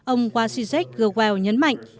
ông wajidzic grewal nhấn mạnh